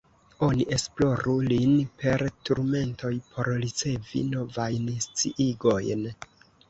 Oni esploru lin per turmentoj, por ricevi novajn sciigojn.